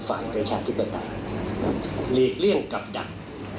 ฝ่ายประชาธิบดันหลีกเลี่ยงกับดัง